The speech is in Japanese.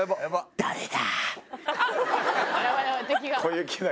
誰だ？